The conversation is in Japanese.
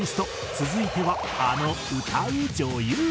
続いてはあの歌う女優。